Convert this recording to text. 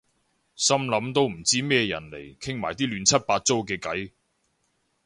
心諗都唔知咩人嚟傾埋晒啲亂七八糟嘅偈